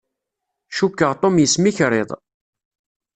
Cukkeɣ Tom yesmikriḍ.